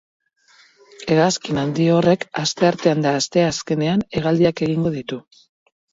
Hegazkin handi horrek asteartean eta asteazkenean hegaldiak egingo ditu.